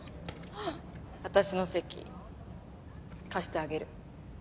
アタシの席貸してあげる。